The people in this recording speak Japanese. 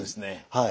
はい。